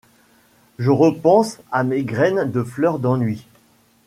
Je repense à mes graines de fleur d'ennui.